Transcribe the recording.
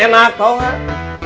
kita makan enak tau gak